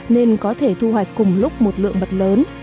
nên có thể thu hoạch cùng lúc một lượng mật lớn